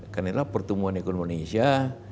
karena pertumbuhan ekonomi indonesia